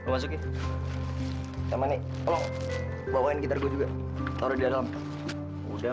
masukin temennya bawa kita juga sudah percaya sama gua aman dalam